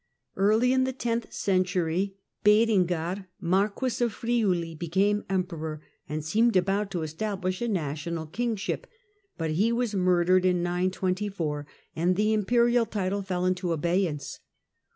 Early in the tenth century Berengar, Marquis of Friuli, tecame Emperor, and seemed about to establish a national ingship, but he was murdered in 924, and the imperial [tie fell into abeyance.